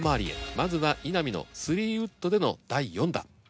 まずは稲見の３ウッドでの第４打。